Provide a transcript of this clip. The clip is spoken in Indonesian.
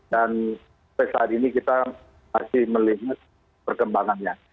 dan sampai saat ini kita masih melihat perkembangannya